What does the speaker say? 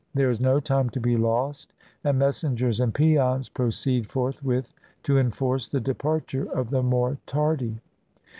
There is no time to be lost, and messengers and peons proceed forthwith to enforce the departure of the more tardy.